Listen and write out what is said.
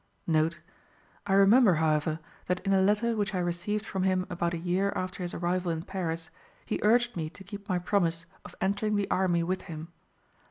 [I remember, however, that in a letter which I received from him about a year after his arrival in Paris he urged me to keep my promise of entering the army with him.